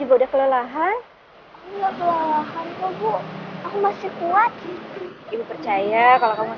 makasih untuk aku